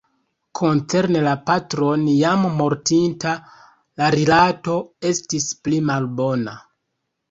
Koncerne la patron, jam mortinta, la rilato estis pli malbona.